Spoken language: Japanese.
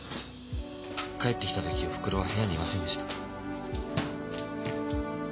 帰ってきたときおふくろは部屋にいませんでした。